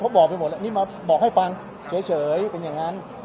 บอกไปหมดแล้วนี่มาบอกให้ฟังเฉยเป็นอย่างนั้น